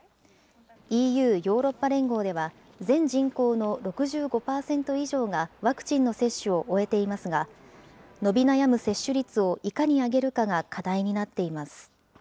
ＥＵ・ヨーロッパ連合では、全人口の６５％以上がワクチンの接種を終えていますが、伸び悩む接種率をいかに上げるかが課題になっています。